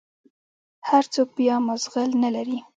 هر سوك بيا مازغه نلري.